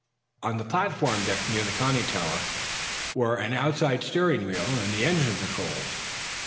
On the platform deck, near the conning tower, were an outside steering wheel and the engine controls.